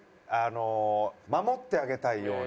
守ってあげたいような。